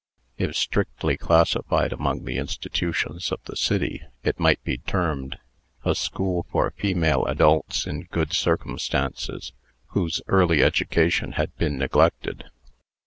If strictly classified among the institutions of the city, it might be termed, "A school for female adults in good circumstances, whose early education had been neglected."